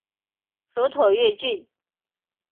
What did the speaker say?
属绥越郡。